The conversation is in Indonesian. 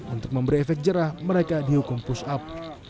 untuk memberi efek jerah mereka dihukum push up